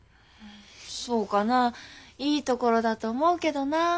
そうかないい所だと思うけどな。